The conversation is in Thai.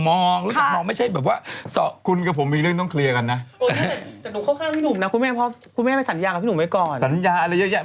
โอ้โหชื่อสมัยนี้ยากมากเลย